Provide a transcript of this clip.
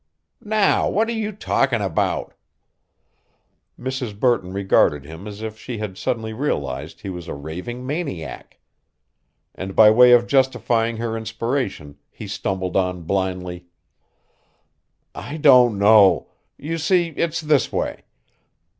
"Now, what are you talking about?" Mrs. Burton regarded him as if she had suddenly realized he was a raving maniac. And by way of justifying her inspiration he stumbled on blindly: "I don't know you see, it's this way.